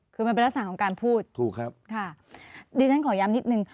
คือมันเป็นลักษณะของการพูดถูกครับค่ะดิฉันขอย้ำนิดนึง